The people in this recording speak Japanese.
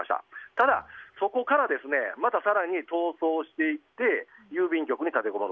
ただ、そこからまた更に逃走していって郵便局に立てこもる。